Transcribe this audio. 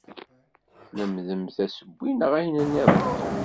Tlemdemt asewwi neɣ ayen nniḍen?